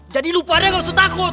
jadi lo pada gak usah takut